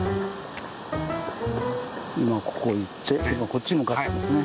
今ここ行って今こっち向かってますね。